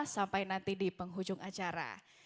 sampai nanti di penghujung acara